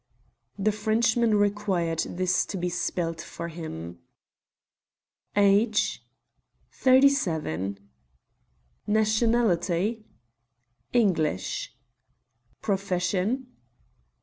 The Frenchman required this to be spelt for him. "Age?" "Thirty seven." "Nationality?" "English." "Profession?"